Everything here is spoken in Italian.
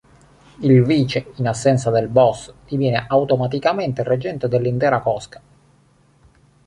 Il vice, in assenza del "boss", diviene automaticamente il reggente dell'intera cosca.